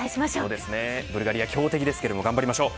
そうですねブルガリア強敵ですけど頑張りましょう。